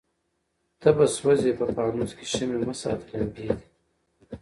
ته به سوځې په پانوس کي شمعي مه ساته لمبې دي